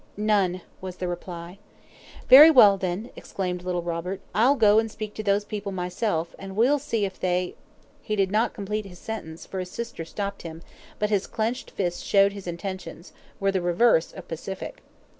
"None," was the reply. "Very well, then," exclaimed little Robert, "I'll go and speak to those people myself, and we'll see if they " He did not complete his sentence, for his sister stopped him; but his clenched fists showed his intentions were the reverse of pacific.